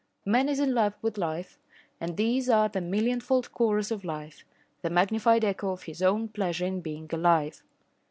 Man is in love with life and these are the millionfold chorus of life the magnified echo of his own pleasure in being alive.